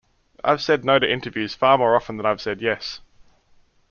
I've said no to interviews far more often than I've said yes.